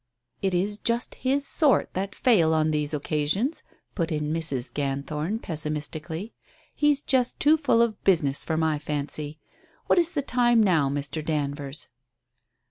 "It is just his sort that fail on these occasions," put in Mrs. Ganthorn pessimistically. "He's just too full of business for my fancy. What is the time now, Mr. Danvers?"